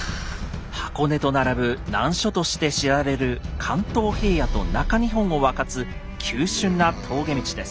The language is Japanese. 箱根と並ぶ難所として知られる関東平野と中日本を分かつ急しゅんな峠道です。